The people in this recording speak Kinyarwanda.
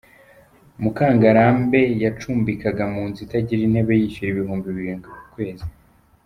Mukangarambe yacumbikaga mu nzu itagira intebe yishyura ibihumbi birindwi ku kwezi.